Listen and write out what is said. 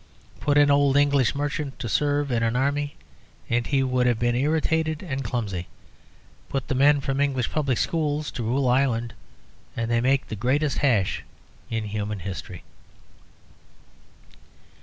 Put an old English merchant to serve in an army and he would have been irritated and clumsy. Put the men from English public schools to rule Ireland, and they make the greatest hash in human history.